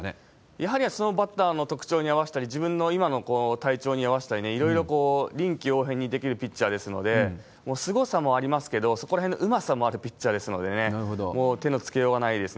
やはりそのバッターの特徴に合わしたら、今の自分の特徴に、体調に合わせたりね、いろいろ臨機応変にできるピッチャーですので、もうすごさもありますけれども、そこらへんのうまさもあるピッチャーでしたので、もう手のつけようがないですね。